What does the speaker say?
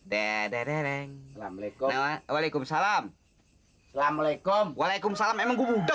hai dereng assalamualaikum waalaikumsalam waalaikumsalam waalaikumsalam emang gue udah